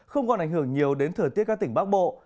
không còn ảnh hưởng nhiều đến thời tiết các tỉnh bắc bộ